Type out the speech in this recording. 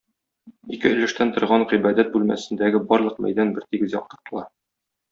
Ике өлештән торган гыйбадәт бүлмәсендәге барлык мәйдан бертигез яктыртыла.